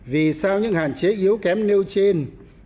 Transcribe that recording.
vì sao những hạn chế yếu kém nêu trên